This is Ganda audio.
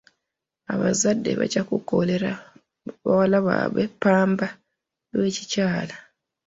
Abazadde bajja kukolera bawala baabwe ppamba w'ekikyala.